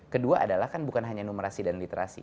kedua adalah kan bukan hanya numerasi dan literasi